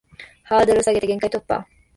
ハードルを下げて限界突破